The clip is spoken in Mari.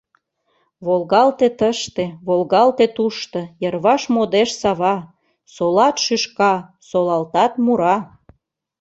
Волгалте тыште, волгалте тушто, йырваш модеш сава: солат — шӱшка, солалтат — мура!